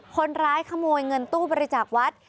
คนร้ายขโมยเงินตู้บริจาควัด